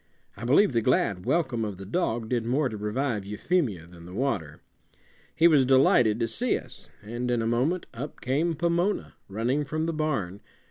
I believe the glad welcome of the dog did more to revive Euphemia than the water. He was delighted to see us, and in a moment up came Pomona, running from the barn.